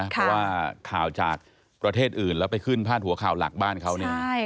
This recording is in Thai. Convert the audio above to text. เพราะว่าข่าวจากประเทศอื่นแล้วไปขึ้นพาดหัวข่าวหลักบ้านเขาเนี่ย